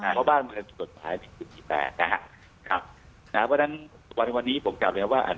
เพราะบ้านมันก็กฎปลายมีคุณที่แปลกนะครับเพราะฉะนั้นวันนี้ผมกลับเรียกว่า